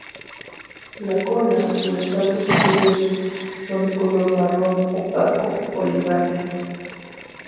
La cola y las partes superiores son de color marrón opaco oliváceo.